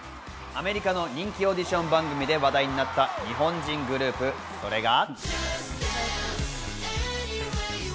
アメリカの人気オーディション番組で話題になった日本人グループ、それが。